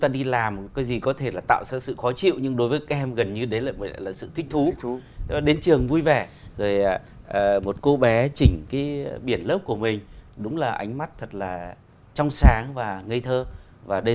đây là một bức ảnh mà cũng chia sẻ với ý kiến của anh trần hải